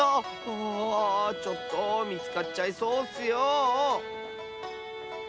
あちょっとみつかっちゃいそうッスよ！